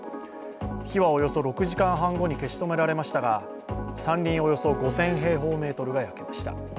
火はおよそ６時間半後に消し止められましたが、山林およそ５０００平方メートルが焼けました。